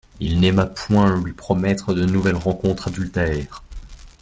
Il n'aima point lui promettre de nouvelles rencontres adultères.